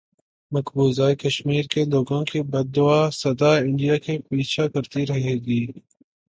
مقبوضہ کشمیر کے لوگوں کی بددعا سدا انڈیا کا پیچھا کرتی رہے گی